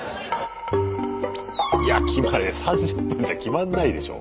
いや３０分じゃ決まんないでしょ。